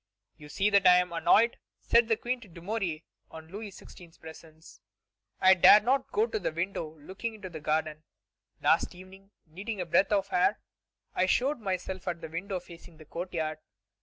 "You see that I am annoyed," said the Queen to Dumouriez in Louis XVI.'s presence; "I dare not go to the window looking into the garden. Last evening, needing a breath of air, I showed myself at the window facing the courtyard.